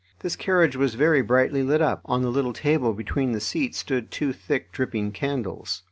This carriage was very brightly lit up; on the little table between the seats stood two thick, dripping candles.